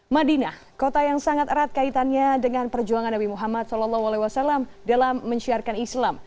madinah kota yang sangat erat kaitannya dengan perjuangan nabi muhammad saw dalam menciarkan islam